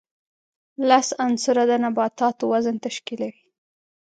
لس عنصره د نباتاتو وزن تشکیلوي.